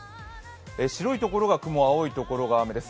白いところが雲、青いところが雨です。